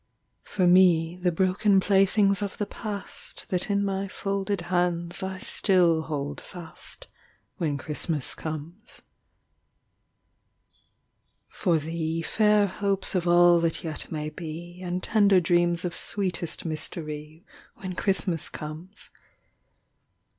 For me, the broken playthings of the past That in my folded hands I still hold fast, When Christmas comes. For thee, fair hopes of all that yet may be, And tender dreams of sweetest mystery, When Christmas comes.